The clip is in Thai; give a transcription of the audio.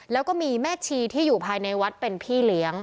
แล้วก็มีแม่ชีที่อยู่ภายในวัดเป็นพี่เลี้ยง